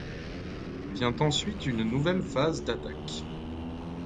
Vient ensuite une nouvelle phase d’attaque.